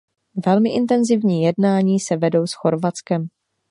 Velmi intenzivní jednání se vedou s Chorvatskem.